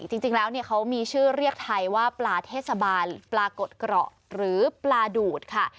จริงแล้วเขามีชื่อเรียกไทยว่าปลาเทศบาลปลากดเกราะหรือปลาดูดค่ะ